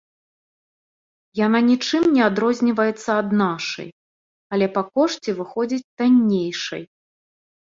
Яна нічым не адрозніваецца ад нашай, але па кошце выходзіць таннейшай.